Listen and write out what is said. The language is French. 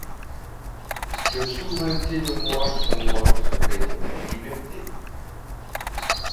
Cette souveraineté de moi sur moi s'appelle Liberté.